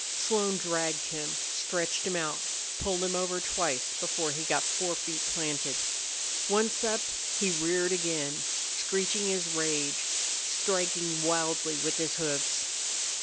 Slone dragged him, stretched him out, pulled him over twice before he got forefeet planted. Once up, he reared again, screeching his rage, striking wildly with his hoofs.